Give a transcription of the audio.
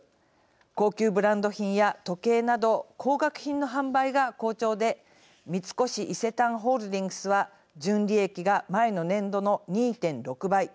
高級ブランド品や時計など高額品の販売が好調で三越伊勢丹ホールディングスは純利益が前の年度の２．６倍。